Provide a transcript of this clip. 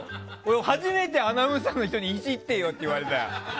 初めてアナウンサーの人にいじってよ！って言われた。